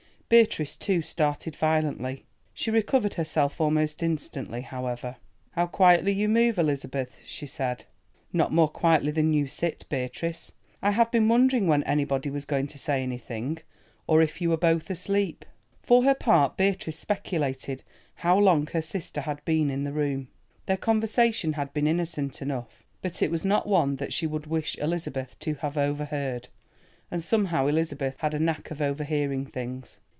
Beatrice too started violently; she recovered herself almost instantly, however. "How quietly you move, Elizabeth," she said. "Not more quietly than you sit, Beatrice. I have been wondering when anybody was going to say anything, or if you were both asleep." For her part Beatrice speculated how long her sister had been in the room. Their conversation had been innocent enough, but it was not one that she would wish Elizabeth to have overheard. And somehow Elizabeth had a knack of overhearing things.